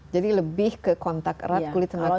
jadi lebih ke kontak erat kulit dengan kulit